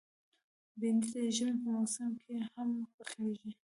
بېنډۍ د ژمي په موسم کې هم پخېږي